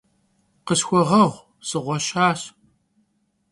Khısxueğueğu, sığueşaş.